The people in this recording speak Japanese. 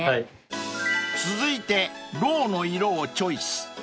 ［続いてろうの色をチョイス］